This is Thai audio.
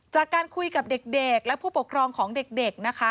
จากการคุยกับเด็กและผู้ปกครองของเด็กนะคะ